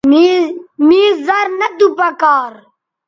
مے زر نہ تو پکار